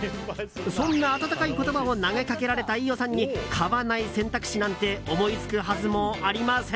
そんな温かい言葉を投げかけられた飯尾さんに買わない選択肢なんて思いつくはずもありません。